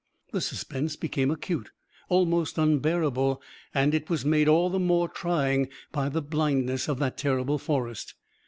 The suspense became acute, almost unbearable, and it was made all the more trying by the blindness of that terrible forest.